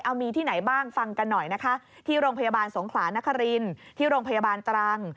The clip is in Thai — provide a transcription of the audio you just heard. เอามีที่ไหนบ้างฟังกันหน่อยนะคะที่โรงพยาบาลสงขลานครินที่โรงพยาบาลตรัง